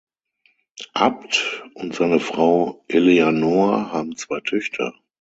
Apt und seine Frau Eleanor haben zwei Töchter.